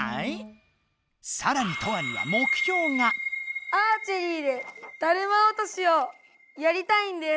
さらにトアにはアーチェリーでだるま落としをやりたいんです。